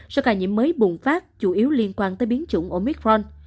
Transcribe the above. số ca nhiễm mới bùng phát chủ yếu liên quan tới biến chủng omitron